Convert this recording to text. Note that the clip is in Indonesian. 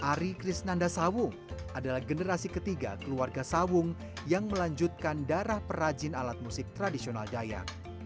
ari krisnanda sawung adalah generasi ketiga keluarga sawung yang melanjutkan darah perajin alat musik tradisional dayak